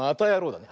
だね。